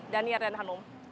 danir dan hanum